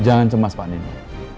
jangan cemas pak nino